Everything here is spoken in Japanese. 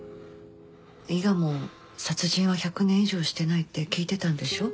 伊賀も殺人は１００年以上してないって聞いてたんでしょう？